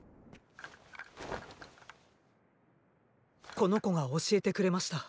この子が教えてくれました。